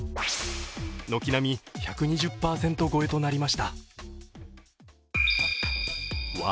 軒並み１２０％超えとなりました。